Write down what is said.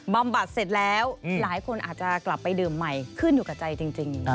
บำบัดเสร็จแล้วหลายคนอาจจะกลับไปดื่มใหม่ขึ้นอยู่กับใจจริง